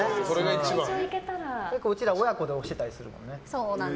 結構うちら親子で推してたりするもんね。